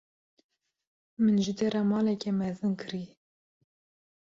Min ji te re maleke mezin kirî.